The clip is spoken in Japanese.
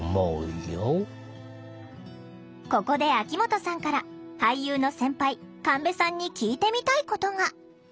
ここで秋元さんから俳優の先輩神戸さんに聞いてみたいことが。